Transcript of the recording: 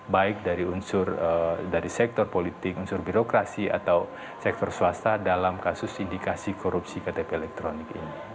baik dari unsur dari sektor politik unsur birokrasi atau sektor swasta dalam kasus indikasi korupsi ktp elektronik ini